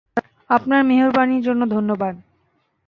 আপনার মেহেরবানির জন্য ধন্যবাদ।